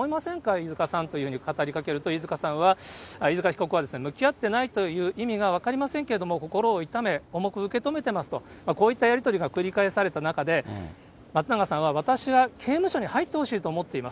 飯塚さんっていうふうに語りかけると、飯塚被告は、向き合ってないという意味が分かりませんけれども、心を痛め、重く受け止めてますと、こういったやり取りが繰り返された中で、松永さんは、私は刑務所に入ってほしいと思っています。